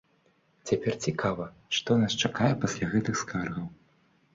Цяпер цікава, што нас чакае пасля гэтых скаргаў.